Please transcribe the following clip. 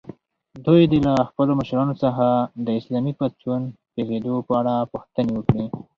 دوی دې له خپلو مشرانو څخه د اسلامي پاڅون پېښېدو په اړه پوښتنې وکړي.